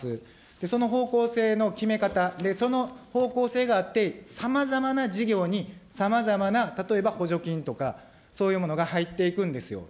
その方向性の決め方で、その方向性があって、さまざまな事業にさまざまな、例えば補助金とか、そういうものが入っていくんですよ。